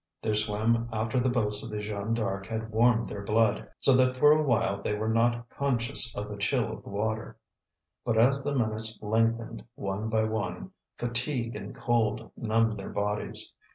Their swim after the boats of the Jeanne D'Arc had warmed their blood, so that for a while they were not conscious of the chill of the water. But as the minutes lengthened, one by one, fatigue and cold numbed their bodies.